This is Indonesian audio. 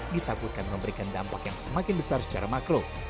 ditakutkan memberikan dampak yang semakin besar secara makro